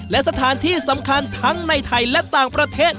และสถานที่สำคัญทั้งในไทยและต่างประเทศ